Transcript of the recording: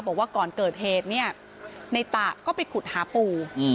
บอกว่าก่อนเกิดเหตุเนี่ยในตะก็ไปขุดหาปู